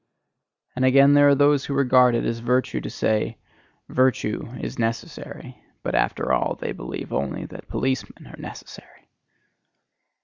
And again there are those who regard it as virtue to say: "Virtue is necessary"; but after all they believe only that policemen are necessary.